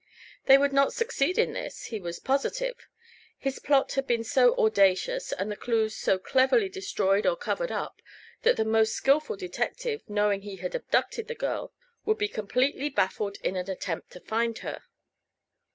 They would not succeed in this, he was positive. His plot had been so audacious and all clews so cleverly destroyed or covered up that the most skillful detective, knowing he had abducted the girl; would be completely baffled in an attempt to find her.